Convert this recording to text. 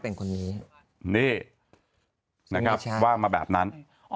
นี่นะครับว่ามาแบบนั้น